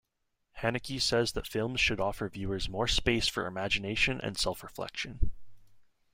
Haneke says that films should offer viewers more space for imagination and self-reflection.